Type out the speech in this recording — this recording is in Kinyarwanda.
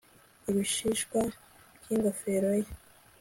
Ibishishwa byingofero ye